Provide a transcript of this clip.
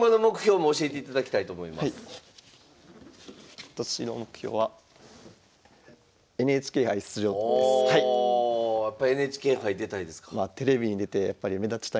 今年の目標はおおやっぱＮＨＫ杯出たいですか？